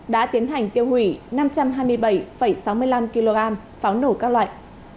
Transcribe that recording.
đã tiến hành tiêu hủy năm trăm hai mươi bảy sáu mươi năm kg pháo nổ các loại